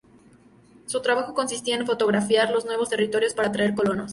Su trabajo consistía en fotografiar los nuevos territorios para atraer colonos.